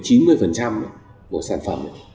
của sản phẩm